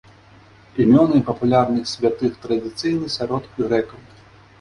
Імёны папулярных святых традыцыйны сярод грэкаў.